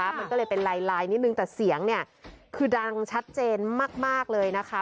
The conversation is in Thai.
มันก็เลยเป็นลายนิดนึงแต่เสียงเนี่ยคือดังชัดเจนมากเลยนะคะ